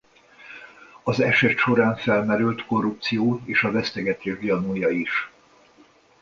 Az eset során felmerült a korrupció és a vesztegetés gyanúja is.